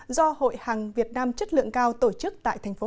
do hội hằng việt nam chất lượng cao tổ chức tại tp hcm